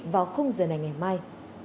vào giờ này ngày mai